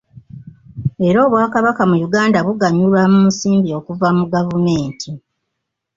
Era obwakabaka mu Uganda buganyulwa mu nsimbi okuva mu gavumenti.